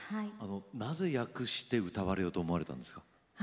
なぜ訳して歌われようと思ったんですか？